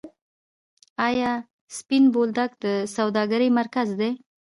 آیا سپین بولدک د سوداګرۍ مرکز دی؟